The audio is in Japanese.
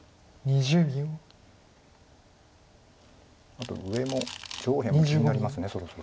あと上も上辺も気になりますそろそろ。